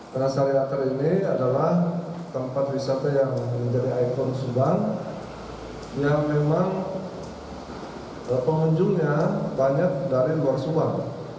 panas sariater ini adalah tempat wisata yang menjadi air panas subang yang memang pengunjungnya banyak dari luar subang